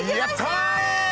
やったー！